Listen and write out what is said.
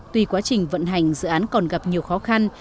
tuy quá trình vận hành dự án còn gặp nhiều khó khăn